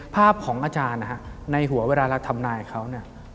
ภาพของอาจารย์นะฮะในหัวเวลาเราทำนายเขาเนี่ย